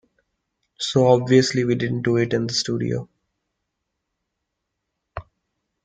So obviously we didn't do it in the studio.